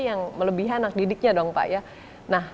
yang melebihanak didiknya